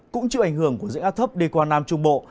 cũng chịu ảnh hưởng của rãnh áp thấp đi qua nam trung bộ